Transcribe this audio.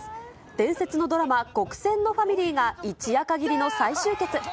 伝説のドラマ、ごくせんのファミリーが一夜限りの再集結！